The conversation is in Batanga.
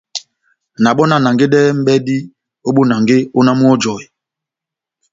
Na bɔ́ na nangedɛhɛni mʼbɛdi ó bonange ó náh múhɔjɔhe.